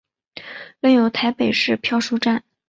另有台北市漂书站。